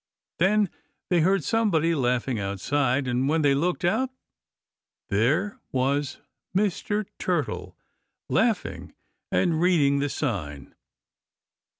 Then they heard somebody laughing outside, and when they looked out there was Mr. Turtle laughing and reading the sign.